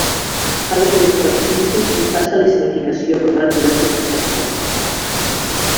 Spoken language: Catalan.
Fa de director artístic i passa a l'escenificació rodant diversos curtmetratges.